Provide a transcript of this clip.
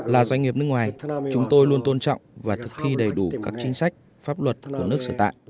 là doanh nghiệp nước ngoài chúng tôi luôn tôn trọng và thực thi đầy đủ các chính sách pháp luật của nước sở tại